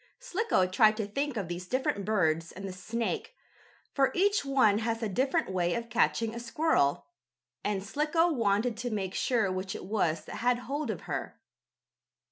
Slicko tried to think of these different birds and the snake, for each one has a different way of catching a squirrel, and Slicko wanted to make sure which it was that had hold of her.